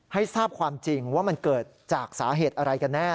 ให้ทราบความจริงว่ามันเกิดจากสาเหตุอะไรกันแน่